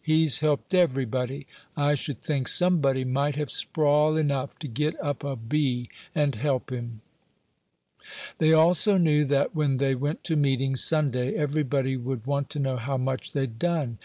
He's helped everybody; I should think somebody might have sprawl enough to get up a 'bee' and help him." They also knew that, when they went to meeting, Sunday, everybody would want to know how much they'd done.